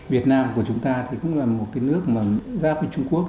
việt nam của chúng ta cũng là một nước ra khỏi trung quốc